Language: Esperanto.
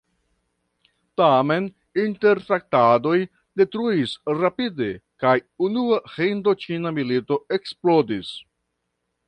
Tamen, intertraktadoj detruis rapide kaj Unua Hindoĉina Milito eksplodis.